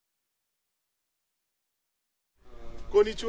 こんにちは。